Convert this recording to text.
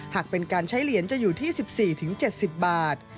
หากเป็นการใช้เหรียญจะอยู่ที่๑๔๗๐บาท